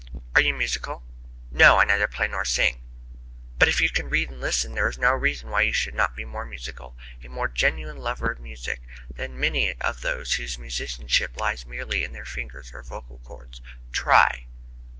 "Are you musical?" "No; I neither play nor sing." But, if you can read and listen, there is no reason why you should not be more musical a more genuine lover of music than many of those whose musicianship lies merely in their fingers or vocal cords. Try!